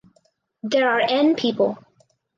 There are "n" people.